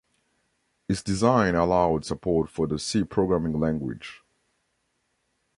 Its design allowed support for the C programming language.